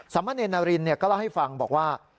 สามเณรนารินเนี่ยก็เล่าให้ฟังบอกว่า